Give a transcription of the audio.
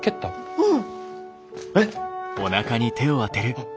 うん。